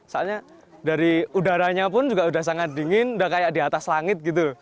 soalnya dari udaranya pun juga sudah sangat dingin udah kayak di atas langit gitu